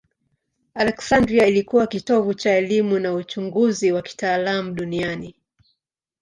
Aleksandria ilikuwa kitovu cha elimu na uchunguzi wa kitaalamu duniani.